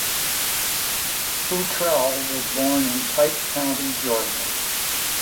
Futrelle was born in Pike County, Georgia.